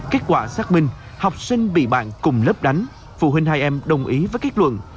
kết quả xác minh học sinh bị bạn cùng lớp đánh phụ huynh hai em đồng ý với kết luận